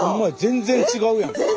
全然違うやん。